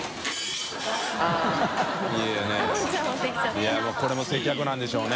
いやこれも接客なんでしょうね。